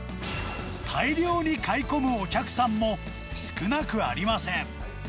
大量に買い込むお客さんも少なくありません。